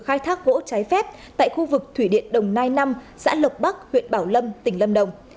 khai thác gỗ trái phép tại khu vực thủy điện đồng nai năm xã lộc bắc huyện bảo lâm tỉnh lâm đồng